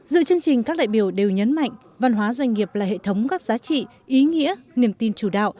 dự chương trình các đại biểu đều nhấn mạnh văn hóa doanh nghiệp là hệ thống gắt giá trị ý nghĩa niềm tin chủ đạo